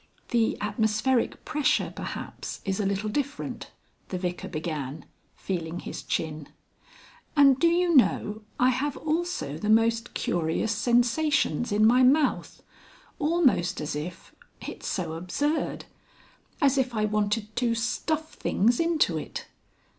"The atmospheric pressure, perhaps, is a little different," the Vicar began, feeling his chin. "And do you know, I have also the most curious sensations in my mouth almost as if it's so absurd! as if I wanted to stuff things into it."